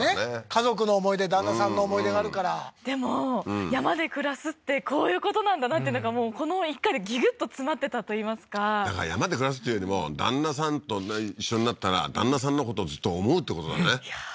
家族の思い出旦那さんの思い出があるからでも山で暮らすってこういうことなんだなっていうのがもうこの１回でギュギュッと詰まってたといいますかだから山で暮らすっていうよりも旦那さんと一緒になったら旦那さんのことずっと思うってことだねいやー